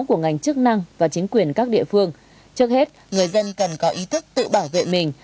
của ngành chức năng và chính quyền các địa phương trước hết người dân cần có ý thức tự bảo vệ mình